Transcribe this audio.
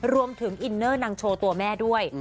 รวมถึงอินเนอร์นางโชว์ตัวแม่ด้วย